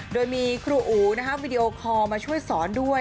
โดยมีครูอู๋วิดีโอคอลมาช่วยสอนด้วย